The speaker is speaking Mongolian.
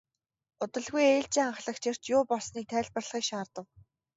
Удалгүй ээлжийн ахлагч ирж юу болсныг тайлбарлахыг шаардав.